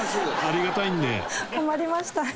困りましたね。